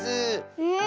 うん。